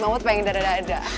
mamut pengen dadah dadah